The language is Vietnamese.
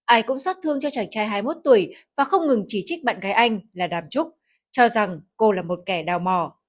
ai cũng xót thương cho chàng trai hai mươi một tuổi và không ngừng chỉ trích bạn gái anh là đàm trúc cho rằng cô là một kẻ đào mò